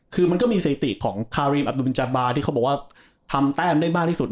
คือมันก็มีสถิติของคารีมอับดุเบนจาบาที่เขาบอกว่าทำแต้มได้มากที่สุด